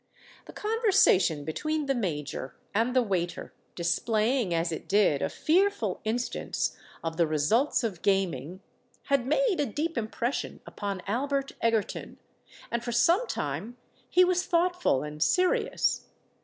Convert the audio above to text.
The conversation between the Major and the waiter, displaying as it did a fearful instance of the results of gaming, had made a deep impression upon Albert Egerton; and for some time he was thoughtful and serious.